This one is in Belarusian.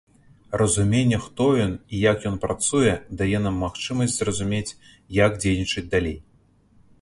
Разуменне, хто ён і як ён працуе, дае нам магчымасць зразумець, як дзейнічаць далей.